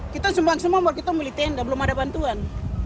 kita sembang sembang buat kita milih tenda belum ada bantuan